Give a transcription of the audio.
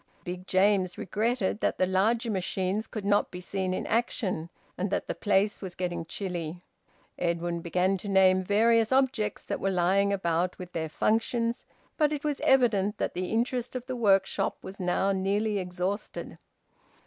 Big James regretted that the larger machines could not be seen in action, and that the place was getting chilly. Edwin began to name various objects that were lying about, with their functions, but it was evident that the interest of the workshop was now nearly exhausted.